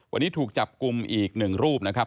วันนี้ถูกจับกลุ่มอีกหนึ่งรูปนะครับ